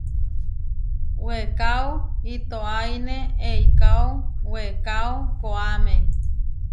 Weekáo iʼtoáine eikáo weekáo koʼáme.